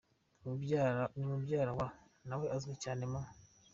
ni mubyara wa na we uzwi cyane mu